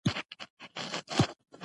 د مناظرې پر مهال فضا ډېره ګرمه وه.